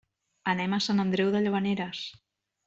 Anem a Sant Andreu de Llavaneres.